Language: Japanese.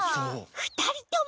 ふたりとも！